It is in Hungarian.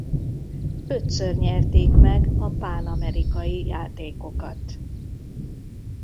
Ötször nyerték meg a pánamerikai játékokat.